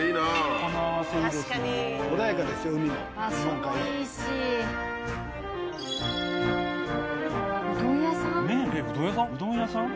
うどん屋さん？